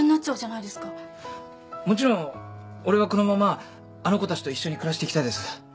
もちろん俺はこのままあの子たちと一緒に暮らしていきたいです。